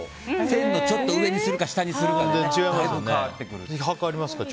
線のちょっと上にするか下にするかとかね。